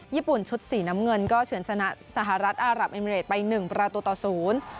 ญี่ปุ่นชุดสีน้ำเงินก็เฉินสนัดสหรัฐอารับอิมเมริกไป๑ประตูต่อสูง